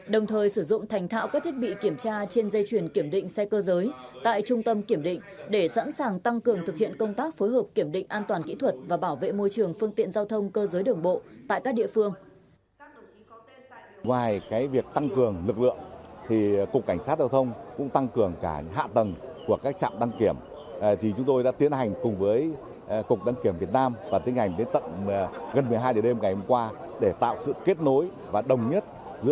đồng thời sử dụng thành thạo các thiết bị kiểm tra trên dây chuyển kiểm định xe cơ giới tại trung tâm kiểm định để sẵn sàng tăng cường thực hiện công tác phối hợp kiểm định an toàn kỹ thuật và bảo vệ môi trường phương tiện giao thông cơ giới đường bộ tại các địa phương